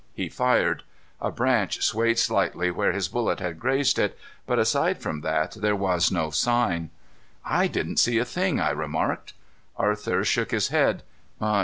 He fired. A branch swayed slightly where his bullet had grazed it, but aside from that there was no sign. "I didn't see a thing," I remarked. Arthur shook his head.